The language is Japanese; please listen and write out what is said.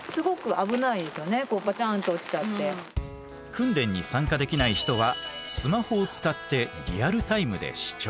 訓練に参加できない人はスマホを使ってリアルタイムで視聴。